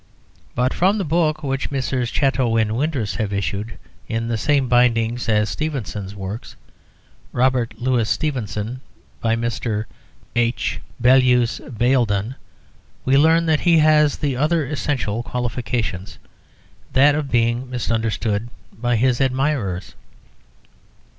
But from the book which Messrs. Chatto & Windus have issued, in the same binding as Stevenson's works, "Robert Louis Stevenson," by Mr. H. Bellyse Baildon, we learn that he has the other essential qualification, that of being misunderstood by his admirers.